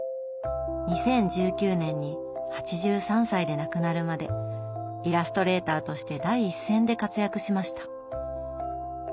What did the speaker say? ２０１９年に８３歳で亡くなるまでイラストレーターとして第一線で活躍しました。